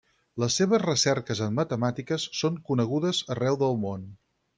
Les seves recerques en matemàtiques són conegudes arreu del món.